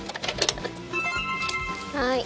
はい。